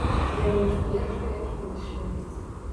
Яны ж першыя і выйшлі.